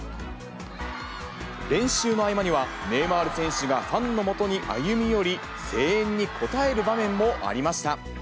練習の合間には、ネイマール選手がファンのもとに歩み寄り、声援に応える場面もありました。